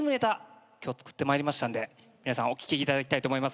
今日作ってまいりましたんで皆さんお聴きいただきたいと思います。